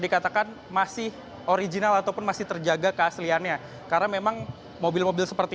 dikatakan masih original ataupun masih terjaga keasliannya karena memang mobil mobil seperti